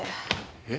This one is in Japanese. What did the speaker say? えっ？